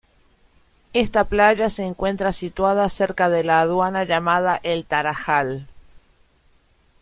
Esta playa se encuentra situada cerca de la aduana llamada "El Tarajal".